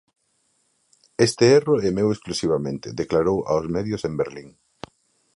"Este erro é meu exclusivamente", declarou aos medios en Berlín.